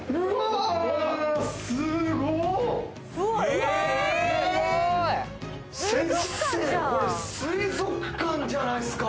え⁉先生これ水族館じゃないですか。